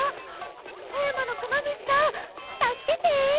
富山のクマムシさんたすけて！